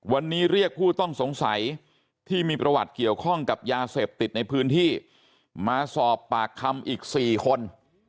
วันนี้เรียกผู้ต้องสงสัยที่มีประวัติเกี่ยวข้องกับยาเสพติดในพื้นที่มาสอบปากคำอีก๔คน